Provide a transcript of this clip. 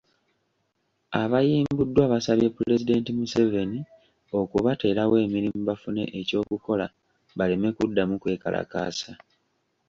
Abayimbuddwa basabye pulezidenti Museveni okubateerawo emirimu bafune eky'okukola baleme kuddamu kwekalakaasa.